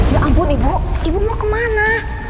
ya ampun ibu ibu mau kemana